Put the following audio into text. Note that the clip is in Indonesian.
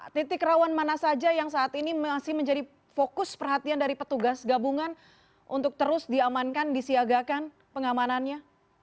titik rawan mana saja yang saat ini masih menjadi fokus perhatian dari petugas gabungan untuk terus diamankan disiagakan pengamanannya